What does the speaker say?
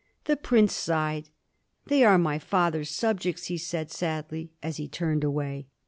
The prince sighed. " They are my father's subjects," he said, sadly, as he turned away.